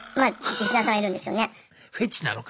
リスナーさんいるんですよね。